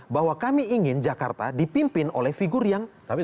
bahwa kami ingin jakarta dipimpin oleh figur yang